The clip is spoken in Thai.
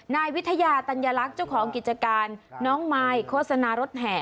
นายวิทยาตัญลักษณ์เจ้าของกิจการน้องมายโฆษณารถแห่